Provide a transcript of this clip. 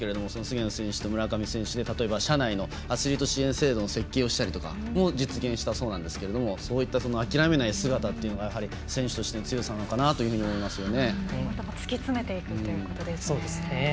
予断ですけど菅野選手と村上選手で例えば社内のアスリート支援制度の設計をしたりとかも実現したそうなんですけどそういった諦めない姿というのが選手としての強さなのかなと思いますよね。